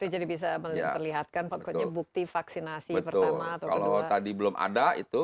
jadi bisa melihatkan pokoknya bukti vaksinasi pertama atau kedua kalau tadi belum ada itu